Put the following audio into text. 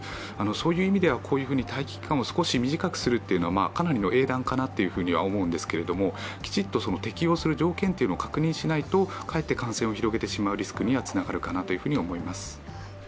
そういう意味では待機期間を少し短くするというのはかなりの英断かなと思うんですけれども、きちっと適用する条件というのを決めておかないとかえって感染を広げてしまうリスクにはつながるかなと思います。